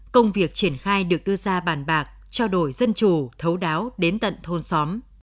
công việc triển khai được đưa ra bàn bạc trao đổi dân chủ thấu đáo đến tận thôn xóm